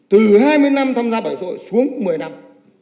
từ hai mươi năm tham gia bảo hiểm xã hội xuống một mươi năm